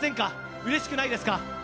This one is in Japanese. うれしくないですか？